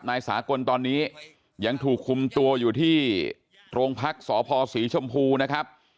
นายสากลตอนนี้ยังถูกคุมตัวอยู่ที่โรงพักษพศรีชมพูนะครับ